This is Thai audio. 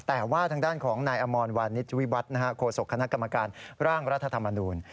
แต่ว่าทางด้านของนอวารณิทวิวัฒน์โฆษกคการทธัมมานูล